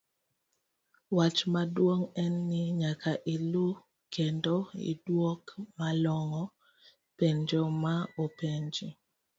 wach maduong en ni nyaka ilu kendo iduok malong'o penjo ma openji.